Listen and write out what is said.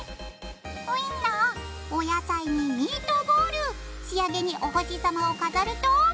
ウインナーお野菜にミートボール仕上げにお星様を飾ると。